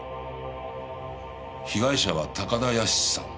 被害者は高田靖さん。